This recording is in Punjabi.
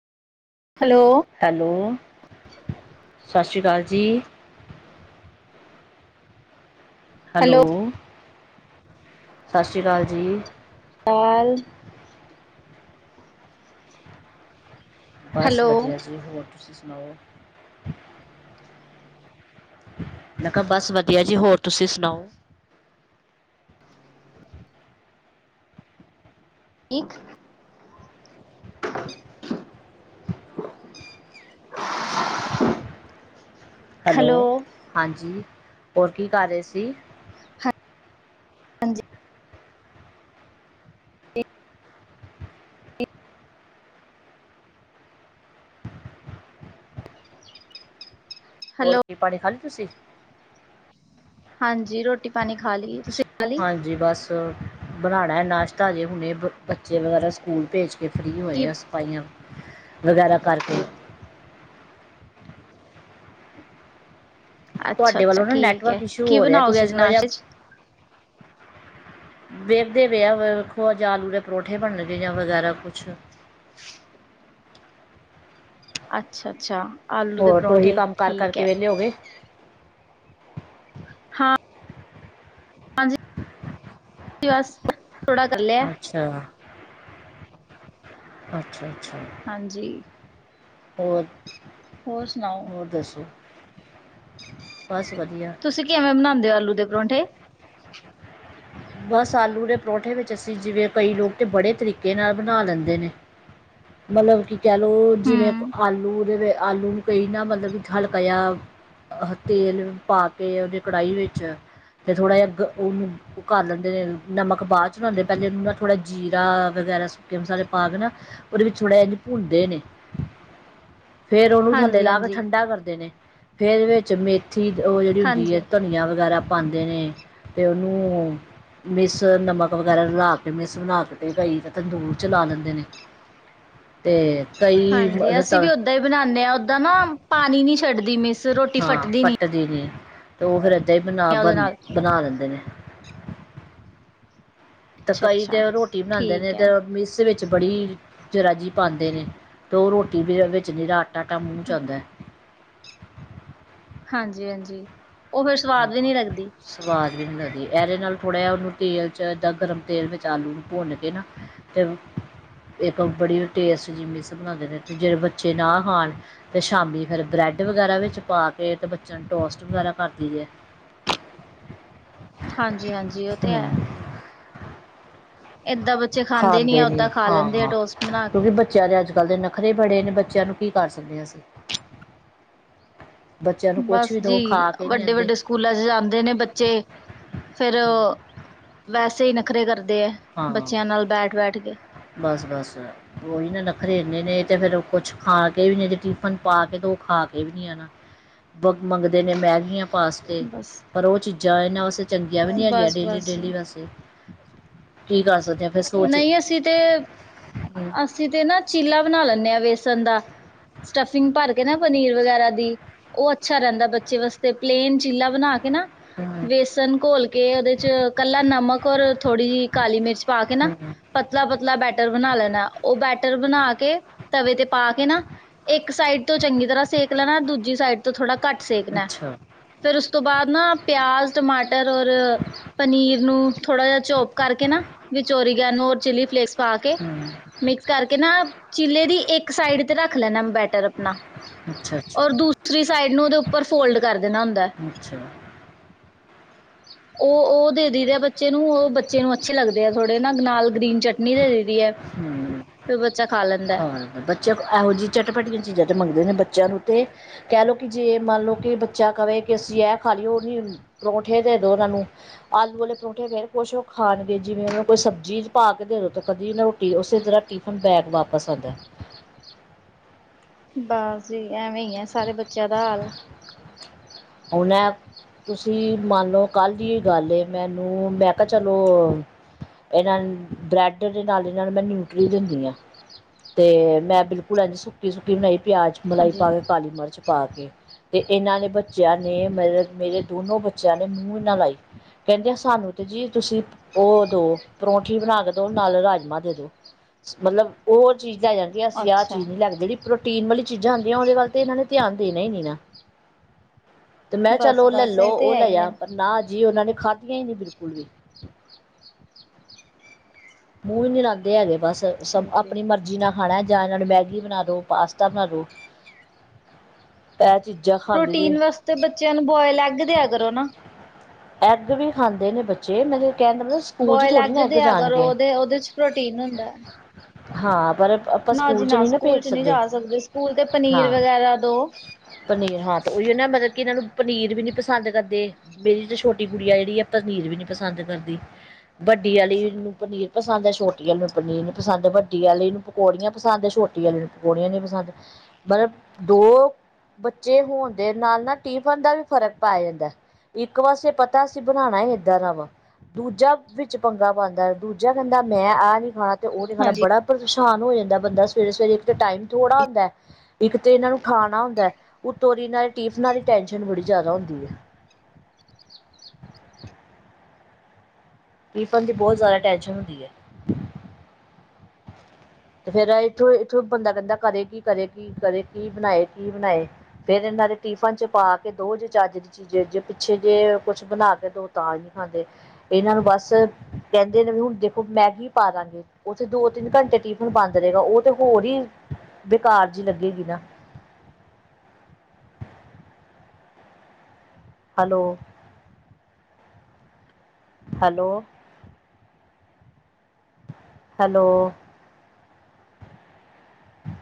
ਹੈਲੋ। ਹੈਲੋ, ਸਤਿ ਸ਼੍ਰੀ ਅਕਾਲ ਜੀ। [inaudible] ਹੈਲੋ। ਸਤਿ ਸ਼੍ਰੀ ਅਕਾਲ ਜੀ। ਐਲ। ਬੱਸ ਹੈਲੋ ਵਧੀਆ ਜੀ, ਹੋ ਤੁਸੀਂ ਸੁਣਾਓ? ਮੈਂ ਕਿਹਾ ਬਸ ਵਧੀਆ ਜੀ, ਹੋਰ ਤੁਸੀਂ ਸੁਣਾਓ? ਇੱਕ। [inaudible] ਹੈਲੋ, ਹਾਂਜੀ, ਹੋਰ ਕੀ ਕਰ ਰਹੇ ਸੀ? ਹਾਂਜੀ। ਹੈਲੋ। ਕੀ ਰੋਟੀ ਪਾਣੀ ਖਾਲੀ ਤੁਸੀਂ? ਹਾਂਜੀ ਰੋਟੀ ਪਾਣੀ ਖਾ ਲਈ, ਤੁਸੀਂ ਖਾ ਲਈ? ਜੀ ਬਸ। ਬਣਾਉਣਾ ਨਾਸ਼ਤਾ, ਹਜੇ ਹੁਣੇ ਬੱਚੇ ਵਗੈਰਾ ਸਕੂਲ ਭੇਜ ਕਿ ਫਰੀ ਕੀ ਹੋਏ ਆ, ਸਫਾਈਆਂ ਵਗੈਰਾ ਕਰਕੇ। ਅੱਛਾ- ਤੁਹਾਡੇ ਅੱਛਾ ਵੱਲੋਂ ਨਾ ਠੀਕ ਨੈਟਵਰਕ ਹੈ, ਇਸ਼ੂ ਕੀ ਹੋ ਰਿਹਾ ਬਣਾਓਗੇ ਤੁਸੀਂ ਅੱਜ ਥੋੜ੍ਹਾ ਜਿਹਾ ਨਾਸ਼ਤੇ' ਚ? ਵੇਖਦੇ ਪੇ ਆ, ਵੇਖੋ ਜਾ ਆਲੂ ਦੇ ਪਰੋਠੇ ਬਣਨਗੇ, ਜਾਂ ਵਗੈਰਾ ਕੁਛ। ਅੱਛਾ- ਅੱਛਾ ਆਲੂ ਦੇ ਹੋਰ ਤਾਂ ਉਹੀ ਪਰੌਂਠੇ ਕੰਮ ਕਰ ਠੀਕ ਕਰਕੇ ਹੈ। ਵਿਹਲੇ ਹੋ ਗਏ ਹਾਂ ਹਾਂਜੀ, ਬਸ, ਥੋੜ੍ਹਾ ਕਰ ਲਿਆ। ਹ। ਅੱਛਾ- ਅੱਛਾ। ਹਾਂਜੀ। ਹੋਰ। ਹੋਰ ਸੁਣਾਓ? ਹੋਰ ਦੱਸੋ? ਬਸ ਵਧੀਆ। ਤੁਸੀਂ ਕਿਵੇਂ ਬਣਾਉਂਦੇ ਹੋ ਆਲੂ ਦੇ ਪਰੌਂਠੇ? ਬਸ ਆਲੂ ਦੇ ਪਰੌਂਠੇ ਵਿੱਚ ਅਸੀਂ ਜਿਵੇਂ ਕਈ ਲੋਕੀ ਬੜੇ ਤਰੀਕੇ ਨਾਲ ਬਣਾ ਲੈਂਦੇ ਨੇ। ਮਤਲਬ ਕਿ ਕਹਿ ਲੋਓ, ਜਿਵੇਂ ਹੂੰ ਆਲੂ ਦੇ ਆਲੂ ਨੂੰ ਕਈ ਨਾ ਮਤਲਬ ਵਿੱਚ ਹਲਕਾ ਜਿਹਾ ਅਹ ਤੇਲ ਪਾ ਕੇ ਉਹਦੀ ਕੜਾਹੀ ਵਿੱਚ ਤੇ ਥੋੜ੍ਹਾ ਜਿਹਾ ਉਹਨ ਉਹ ਕਰ ਲੈਂਦੇ ਨੇ, ਨਮਕ ਬਾਅਦ 'ਚ ਪਾਉਂਦੇ, ਪਹਿਲੇ ਥੋੜ੍ਹਾ ਜੀਰਾ ਵਗੈਰਾ ਸੁੱਕੇ ਮਸਾਲੇ ਪਾ ਕੇ ਨਾ ਉਹਦੇ ਵਿੱਚ ਥੋੜਾ ਜਿਹਾ ਭੁੰਨਦੇ ਨੇ। ਫੇਰ ਉਹਨੂੰ ਥੱਲੇ ਹਾਂਜੀ ਲਾ ਕੇ ਹਾਂਜੀ ਠੰਡਾ ਕਰਦੇ ਨੇ, ਫੇਰ ਇਹਦੇ ਵਿੱਚ ਮੇ ਮੈਂਥੀ ਉਹ ਜਿਹੜੀ ਹੁੰਦੀ ਹੈ, ਹਾਂਜੀ ਧਨੀਆ ਵਗੈਰਾ ਪਾਉਂਦੇ ਨੇ ਤੇ ਉਹਨੂੰ ਮਿਸ ਨਮਕ ਵਗੈਰਾ ਰਲਾ ਕੇ ਮਿਸ ਬਣਾ ਕੇ ਕਈ ਤਾਂ ਤੰਦੂਰ 'ਚ ਲਾ ਲੈਂਦੇ ਨੇ। ਅਤੇ ਕਈ ਹਾਂਜੀ ਅਸੀਂ ਤ ਵੀ ਓਦਾਂ ਹੀ ਬਣਾਉਦੇ ਹਾਂ, ਓਦਾਂ ਨਾ ਪਾਣੀ ਨੀ ਛੱਡਦੀ ਮਿਸ। ਰੋਟੀ ਹਾਂ ਫਟਦੀ ਫੱਟਦੀ ਨੀ, ਤੇ ਉਹ ਫੇਰ ਏਦਾਂ ਹੀ ਬਣਾ- ਆ ਉਹਦੇ ਬਣ ਨਾਲ -ਬਣਾ ਦਿੰਦੇ ਨੇ। ਤੇ ਕਈ ਤੇ ਅੱਛਾ-ਅੱਛਾ ਰੋਟੀ ਬਣਾਉਂਦੇ ਨੇ ਠੀਕ ਤੇ ਐ ਮਿਕਸ ਵਿੱਚ 'ਚ ਬੜੀ ਜਰਾ ਜੀ ਪਾਂਦੇ ਨੇ ਤੇ ਓ ਰੋਟੀ ਵੀ ਵਿੱਚ ਨਿਰਾ ਆਟਾ-ਆਟਾ ਮੂੰਹ 'ਚ ਆਂਦਾ। ਹਾਂਜੀ-ਹਾਂਜੀ, ਓ ਫੇਰ ਸਵਾਦ ਵੀ ਹਾਂ ਨੀਂ ਰੈਂਦੀ। ਸਵਾਦ ਵੀ ਨੀਂ ਲੱਗਦੀ ਏਦੇ ਨਾਲ ਥੋੜ੍ਹਾ ਜੇਆ ਓਨੂੰ ਤੇਲ 'ਚ ਏਦਾਂ ਗਰਮ ਤੇਲ ਵਿੱਚ ਆਲੂ ਨੂੰ ਪੋਂਨ ਕੇ ਨਾ ਤੇ ਏਕ ਬੜੀ ਟੇਸਟ ਜੀ ਮਿੱਸ ਬਣਾਦੇ ਨੇ ਤੇ ਜੇੜੇ ਬੱਚੇ ਨਾ ਖਾਣ ਤੇ ਸ਼ਾਮੀ ਫੇਰ ਬ੍ਰੈਡ ਵਗੈਰਾ ਵਿੱਚ ਪਾਤੇ ਤੇ ਬੱਚੇਆਂ ਨੂੰ ਟੋਸਟ ਵਗੈਰਾ ਕਰ ਠੀਕੈ। ਹਾਂਜੀ-ਹਾਂਜੀ, ਓ ਤੇ ਐ। ਏਦਾਂ ਬੱਚੇ ਖਾਂਦੇ ਨੀ ਆ ਓਦਾਂ ਖਾ ਲੈਂਦੇ ਆ ਟੋਸਟ ਬਨਾ ਕੇ। ਬੱਚੇਆਂ ਦੇ ਅੱਜ-ਕੱਲ ਦੇ ਨਖਰੇ ਬੜੇ ਨੇ ਬੱਚੇਆਂ ਨੂੰ ਕੀ ਕਰ ਸਕਦੇ ਅਸੀ। ਬੱਚਿਆਂ ਨੂੰ ਕੁਛ ਬਸ ਵੀ ਦਿਓ ਜੀ, ਖਾ ਕੇ ਨਹੀਂ ਆਉਂਦੇ ਵੱਡੇ-ਵੱਡੇ ਸਕੂਲ ਸਕੂਲਾਂ ਚ ਜਾਂਦੇ ਨੇ ਬੱਚੇ ਫੇਰ, ਵੈਸੇ ਈ ਨਖਰੇ ਕਰਦੇ ਐ। ਬੱਚੇਆਂ ਨਾਲ ਬੈਠ-ਬੈਠ ਕੇ। ਬਸ-ਬਸ। ਓਹੀ ਨਾ ਨੱਖਰੇ ਏਨੇ ਨੇ ਤੇ ਫੇਰ ਕੁਛ ਖਾਕੇ ਵੀ ਟਿਫਨ ਪਾਕੇ ਤੇ ਦੋ, ਓ ਖਾ ਕੇ ਵੀ ਨੀ ਆਨਾ। ਬ ਮੰਗਦੇ ਨੇ ਮੈਗੀਆਂ ਪਾਸਤੇ ਬਸ ਪਰ ਓ ਚੀਜ਼ਾਂ ਇਹਨਾਂ ਵਾਸਤੇ ਚੰਗੀਆਂ ਵੀ ਨੀਂ ਹੈਗੀਆਂ ਬਸ-ਬਸ ਡੇਲੀ-ਡੇਲੀ ਵੈਸੇ। ਕੀ ਕਰ ਸਕਦੇ ਆਂ ਫੇਰ ਨਈਂ ਅਸੀਂ ਤੇ, ਅਸੀ ਤੇ ਨਾ ਚੀਲਾ ਬਨਾ ਲੈਂਨੇ ਆਂ ਬੇਸਨ ਦਾ। ਸਟਫਿੰਗ ਭਰ ਕੇ ਨਾ ਪਨੀਰ ਵਗੈਰਾ ਦੀ। ਓ ਅੱਛਾ ਰੈਂਦਾ ਬੱਚੇ ਵਾਸਤੇ ਪਲੇਨ ਚੀਲਾ ਬਣਾ ਕੇ ਨਾ ਹੂੰ ਬੇਸਣ ਘੋਲ ਕੇ ਓਦੇ ਚ ਕੱਲਾ ਨਮਕ ਔਰ ਥੋੜ੍ਹੀ ਜੀ ਕਾਲੀ ਮਿਰਚ ਪਾਕੇ ਹੂੰ ਪਤਲਾ-ਪਤਲਾ ਬੈਟਰ ਬਨਾ ਲੈਣਾ, ਓ ਬੈਟਰ ਬਨਾ ਕੇ ਤਵੇ ਤੇ ਪਾਕੇ ਨਾ ਏਕ ਸਾਈਡ ਤੋਂ ਚੰਗੀ ਤਰ੍ਹਾਂ ਸੇਕ ਲੈਣਾ, ਦੂਜੀ ਸਾਈਡ ਤੋ ਥੋੜਾ ਘੱਟ ਸੇਕਣਾ, ਅੱਛਾ ਫੇਰ ਉਸ ਤੋਂ ਬਾਦ ਨਾ ਪਿਆਜ, ਟਮਾਟਰ ਟਮਾਟਰ ਓਰ ਪਨੀਰ ਨੂੰ ਥੋੜਾ ਜਾ ਚੋਪ ਕਰਕੇ ਨਾ ਚ ਓਰੀਗੇਨੋ ਹੋਰ ਚਿੱਲੀ ਫਲੇਕਸ ਪਾਕੇ ਹੂੰ ਮਿਕਸ ਕਰਕੇ ਨਾ ਚਿੱਲੇ ਦੀ ਏਕ ਸਾਈਡ ਤੇ ਰੱਖ ਲੈਣਾ ਬੈ ਅਪਨਾ, ਅੱਛਾ ਅੱਛਾ ਔਰ ਦੂਸਰੀ ਸਾਈਡ ਨੂੰ ਓਦੇ ਉੱਪਰ ਫੋਲਡ ਕਰ ਦੇਣਾ ਹੁੰਦੈ। ਅੱਛਾ। ਓ ਓ ਦੇ ਦਈ ਦੇਆ ਬੱਚੇ ਨੂੰ, ਓ ਬੱਚੇ ਨੂੰ ਅੱਛੇ ਲੱਗਦੇ ਆ ਥੋੜੇ ਨਾ ਨਾਲ ਗ੍ਰੀਨ ਚਟਨੀ ਦੇ ਹੂੰ। ਫੇਰ ਬੱਚਾ ਖਾ ਲੈਂਦਾ। ਬੱਚੇਆਂ ਐਹੋ ਜਿ ਚਟਪੱਟੀਆਂ ਚੀਜ਼ਾਂ ਤਾਂ ਮੰਗਦੇ ਨੇ ਬੱਚਿਆਂ ਨੂੰ ਤੇ ਕਹਿ ਲੋੋ ਕਿ ਜੇ ਮੰਨਲਓ ਕਿ ਬੱਚਾ ਕਵੇ ਕਿ ਅਸੀਂ ਐ ਖਾਲ ਲੀ ਓਨੀ ਪਰੌਂਠੇ ਦੇ ਦੋ ਓਨਾਂ ਨੂੰ। ਆਲੂ ਵਾਲੇ ਪਰੌਂਠੇ ਫੇਰ ਖੋਸ਼ ਹੋ ਖਾਣਗੇ ਜਿਵੇਂ ਓਨਾਂ ਨੂੰ ਕੋਈ ਸਬਜ਼ੀ ਪਾਕੇ ਦੇਦੋ ਤੇ ਕਦੀ ਓਸੇ ਤਰ੍ਹਾਂ ਟਿਫਨ ਬੈਕ ਵਾਪਸ ਆਂਦਾ। ਬਸ ਜੀ ਐਵੇਂ ਈ ਆ ਸਾਰੇ ਬੱਚੇਆਂ ਦਾ ਹਾਲ। ਹੁਨ ਐ ਤੁਸੀਂ ਮੰਨਲੋ ਕੱਲ ਦੀਓ ਗੱਲ, ਮੈਨੂੰ ਮੈਂ ਕੇਆ ਚਲੋ ਏਨਾਂ ਨੂੰ ਬ੍ਰੈਡ ਦੇ ਨਾਲ-ਨਾਲ ਮੈਂ ਨਿਊਟਰੀ ਦਿੰਨੀਂ ਆ। ਤੇ ਮੈਂ ਬਿਲਕੁਲ ਐਂਜ ਸੁੱਕੀ- ਸੁੱਕੀ ਬਣਾਈ ਪਿਆਜ ਮਲਾਈ ਹਾਂਜੀ ਪਾਕੇ, ਕਾਲੀ ਮਿਰਚ ਪਾਕੇ ਤੇ ਏਨਾਂ ਨੇ ਬ ਬੱਚੇਆਂ ਨੇ ਮੇ ਮੇਰੇ ਦੋਨੋ ਬੱਚੇਆਂ ਨੇ ਮੂੰਹ ਈਨਾ ਲਾਈ। ਕੈਂਦੇ ਸਾਨੂੰ ਤੇ ਜੀ ਤੁਸੀਂ ਓਦੋ, ਪਰੌਂਠੀ ਬਣਾ ਕੇ ਦੋ ਨਾਲ ਰਾਜਮਾਂ ਦੇਦੋ। ਮਤਲਬ ਉਹ ਚੀਜ਼ ਲੈ ਜਾਣਗੇ ਅਸੀਂ ਆਹ ਅੱਛਾ ਚੀਜ਼ ਨੀ ਲੇਕੇ ਜਿਹੜੀ ਪ੍ਰੋਟੀਨ ਵਾਲੀ ਚੀਜ਼ਾਂ ਹੁੰਦੀਆਂ ਉਹਦੇ ਵੱਲ ਤੇ ਇਹਨਾਂ ਨੇ ਧਿਆਨ ਦੇਣਾ ਈ ਦੇਣਾ। ਤੇ ਮੈਂ ਚੱਲ ਬਸ ਉਹ ਲੈ ਬਸ ਲੋ ਇਹ ਤੇ ਉਹ ਹੈ ਹੀ ਲਿਆ ਹੈ ਪਰ ਨਾ ਜੀ ਉਹਨਾਂ ਨੇ ਖਾਧੀਆਂ ਈ ਨੀ ਬਿਲਕੁਲ ਵੀ। ਮੂੰਹ ਵੀ ਨੀ ਲਾਦੇ ਹੈਗੇ ਬਸ ਸ ਹਾਂਜੀ ਆਪਣੀ ਮਰਜ਼ੀ ਨਾਲ ਖਾਣਾ ਜਾਂ ਨਾਲ ਮੈਗੀ ਬਣਾ ਦੋ ਪਾਸਤਾ ਬਣਾ ਦੋ, ਇਹ ਚੀਜ਼ਾਂ ਖਾਂਦੇ ਜੇ ਪ੍ਰੋਟੀਨ ਵਾਸਤੇ ਬੱਚਿਆਂ ਨੂੰ ਬੋਇਲ ਐਗ ਦਿਆ ਕਰੋ ਨਾ। ਐੱਗ ਵੀ ਖਾਂਦੇ ਨੇ ਬੱਚੇ ਮਤਲਬ ਕਹਿ ਦੇ ਬੋਇਲ ਐੱਗ ਦਿਆ ਕਰੋ ਉਹਦੇ-ਉਹਦੇ ਚ ਪ੍ਰੋਟੀਨ ਹੁੰਦਾ। ਹਾਂ ਪਰ ਆਪਾਂ ਨਾ ਜੀ ਸਕੂਲ ਚ ਨਾ, ਨਹੀਂ ਸਕੂਲ ਭੇਜ ਚ ਨੀ ਜਾ ਸਕਦੇ ਸਕੂਲ ਤੇ ਪਨੀਰ ਹਾਂ ਵਗੈਰਾ ਦੋ ਪਨੀਰ ਹਾਂ ਤੇ ਉਹੀ ਆ ਨਾ ਮਤਲਬ ਕਿ ਇਹਨਾਂ ਨੂੰ ਪਨੀਰ ਵੀ ਨੀ ਪਸੰਦ ਕਰਦੇ ਮੇਰੀ ਦੁਸ਼ ਛੋਟੀ ਗੁਡਿਆ ਜਿਹੜੀ ਆ ਪਨੀਰ ਵੀ ਨੀ ਪਸੰਦ ਕਰਦੀ। ਵੱਡੀ ਆਲੀ ਨੂੰ ਪਨੀਰ ਪਸੰਦ ਐ, ਛੋਟੀ ਆਲੀ ਨੂੰ ਪਨੀਰ ਨੀ ਪਸੰਦ, ਵੱਡੀ ਆਲੀ ਪ ਪਕੌੜੀਆਂ ਪਸੰਦ, ਛੋਟੀ ਆਲੀ ਨੂੰ ਪਕੌੜੀਆਂ ਨੀ ਪਸੰਦ ਮਤਲਬ ਦੋ ਬੱਚੇ ਹੋਣ ਦੇ ਨਾਲ ਨਾ ਟਿਫਨ ਦਾ ਵੀ ਫ਼ਰਕ ਪੈ ਜਾਂਦਾ ਇੱਕ ਬੱਸ ਪਤਾ ਅਸੀਂ ਬਣਾਣਾ ਈ ਏਦਾਂ ਦਾ ਵਾਂ ਦੂਜਾ ਵਿੱਚ ਪੰਗਾ ਪਾਦਾ ਦੂਜਾ ਕਹਿੰਦਾ ਮੈਂ ਆਹ ਨੀ ਖਾਣਾ ਤੇ ਉਹ ਨੀ ਖਾਣਾ ਹਾਂਜੀ ਬੜਾ ਪਰੇਸ਼ਾਨ ਹੋ ਜਾਂਦਾ ਬੰਦਾ ਸਵੇਰੇ-ਸਵੇਰੇ ਇੱਕ ਤਾਂ ਟਾਈਮ ਥੋੜ੍ਹਾ ਹੁੰਦਾ। ਇੱਕ ਤੇ ਇਹਨਾਂ ਨੂੰ ਖਾਣਾ ਹੁੰਦਾ ਐ, ਉਤੋਂ ਦੀ ਇਹਨਾਂ ਦੇ ਟਿਫਨਾਂ ਦੀ ਟੈਂਸ਼ਨ ਬੜੀ ਜਾਦਾ ਹੁੰਦੀ ਐ ਟੀਪਨ ਦੀ ਬਹੁਤ ਜ਼ਿਆਦਾ ਟੈਨਸ਼ਨ ਹੁੰਦੀ ਐ। ਤੇ ਫਿਰ ਐਂਥੋਂ ਇੱਥੋਂ ਬੰਦਾ ਕਹਿੰਦਾ ਕਰੇਗੀ-ਕਰੇਗੀ-ਕਰਗੀ ਬਣਾਏ-ਕੀ ਬਣਾਏ? ਫੇਰ ਇਹਨਾਂ ਦੇ ਟਿਫਨ ਚ ਪਾ ਕੇ ਦੋ ਜੇ ਚੱਜ ਦੀ ਜੇ-ਜੇ ਪਿੱਛੇ ਜੇ ਕੁੱਛ ਬਣਾ ਕੇ ਦੋ ਤਾਂ ਨੀ ਖਾਂਦੇ। ਇਹਨਾਂ ਨੂੰ ਬੱਸ, ਕਹਿੰਦੇ ਨੇ ਵੀ ਹੁਣ ਦੇਖੋ ਮੈਗੀ ਪਾ ਦਾਂਗੇ ਉੱਥੇ ਦੋ-ਤਿੰਨ ਘੰਟੇ ਟਿ ਹੁਣ ਬੰਦ ਰਹੇਗਾ ਉਹ ਤੇ ਹੋਰ ਈ, ਬੇਕਾਰ ਜੀ ਲੱਗੇਗੀ ਨਾ। ਹਲੋ। Hello, hello,